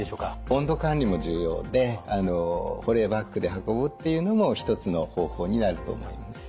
温度管理も重要で保冷バッグで運ぶっていうのも一つの方法になると思います。